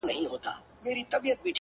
o سیاه پوسي ده. ماسوم یې ژاړي.